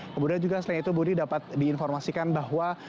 kemudian selain itu budi juga dapat diinformasikan bahwa